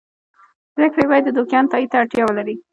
پرېکړې یې باید د دوکیانو تایید ته اړتیا ولري.